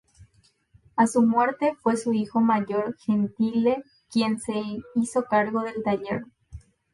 A su muerte fue su hijo mayor Gentile quien se hizo cargo del taller.